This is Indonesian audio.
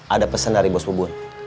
ada pesan dari bos bubun